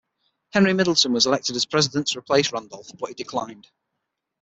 Henry Middleton was elected as president to replace Randolph, but he declined.